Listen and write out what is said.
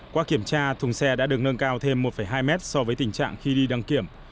qua kiểm tra thùng xe đã được nâng cao thêm một hai mét so với tình trạng khi đi đăng kiểm